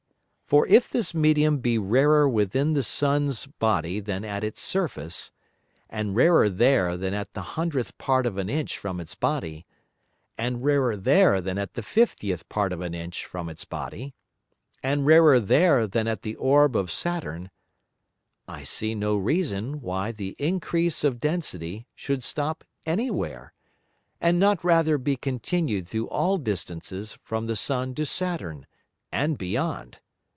For if this Medium be rarer within the Sun's Body than at its Surface, and rarer there than at the hundredth part of an Inch from its Body, and rarer there than at the fiftieth part of an Inch from its Body, and rarer there than at the Orb of Saturn; I see no reason why the Increase of density should stop any where, and not rather be continued through all distances from the Sun to Saturn, and beyond.